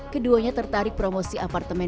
keduanya tertarik promosi apartemen